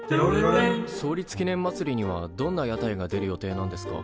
創立記念まつりにはどんな屋台が出る予定なんですか？